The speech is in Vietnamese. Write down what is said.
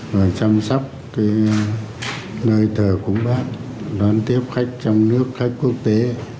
và chăm sóc nơi thở của bác đón tiếp khách trong nước khách quốc tế